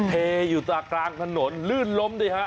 เทอยู่ตากลางถนนลื่นล้มดิฮะ